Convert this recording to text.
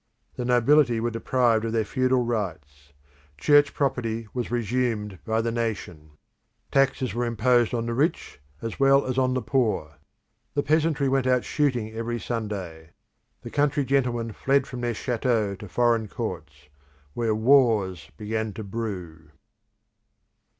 The nobility were deprived of their feudal rights; church property was resumed by the nation; taxes were imposed on the rich as well as on the poor; the peasantry went out shooting every Sunday; the country gentlemen fled from their chateaux to foreign courts, where wars began to brew.